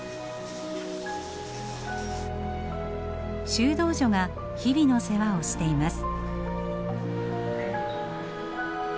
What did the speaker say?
修道女が日々の世話をしています。